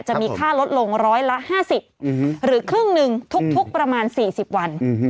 จะมีค่าลดลงร้อยละ๕๐หรือครึ่งหนึ่งทุกประมาณ๔๐วัน